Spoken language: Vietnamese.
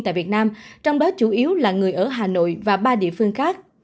tại việt nam trong đó chủ yếu là người ở hà nội và ba địa phương khác